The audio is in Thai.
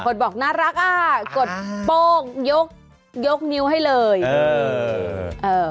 บอกน่ารักอ่ะกดโป้งยกยกนิ้วให้เลยเออเอ่อ